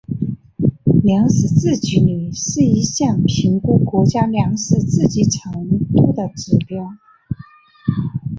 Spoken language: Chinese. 粮食自给率是一项评估国家粮食自给程度的指标。